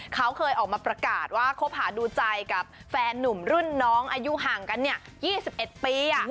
เขาเคยออกมาประกาศว่าคบหาดูใจกับแฟนหนุ่มรุ่นน้องอายุห่างกัน๒๑ปี